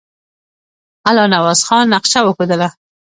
الله نواز خان نقشه وښودله.